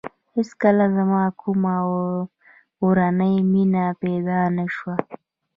هېڅکله زما کومه اورنۍ مینه پیدا نه شوه.